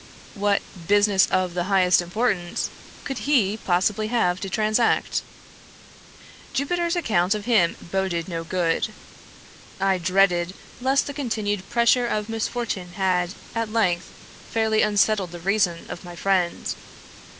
What " business of the highest importance " could he possibly have to transact ? Jupiter's account of him boded no good. I dreaded lest the continued pressure of misfortune had, at length, fairly unsettled the reason of my friend.